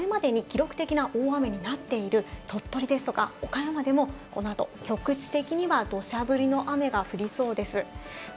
また、これまでに記録的な大雨になっている鳥取ですとか、岡山でもこの後、局地的には土砂降りの雨が降りそうです。